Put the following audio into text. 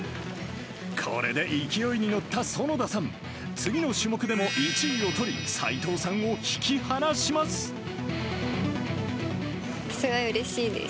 これで勢いに乗った園田さん、次の種目でも１位を取り、すごいうれしいです。